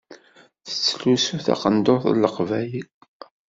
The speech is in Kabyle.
Tettlusu taqendurt n Leqbayel.